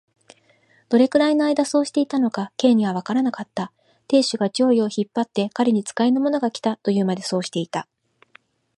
どれくらいのあいだそうしていたのか、Ｋ にはわからなかった。亭主が上衣を引っ張って、彼に使いの者がきた、というまで、そうしていた。